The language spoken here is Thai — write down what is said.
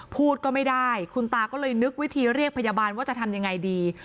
พูดก็ไม่ได้คุณตาก็เลยนึกวิธีเรียกพยาบาลว่าจะทำยังไงดี